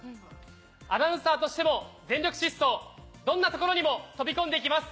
アナウンサーとしても全力疾走どんなところにも飛び込んでいきます。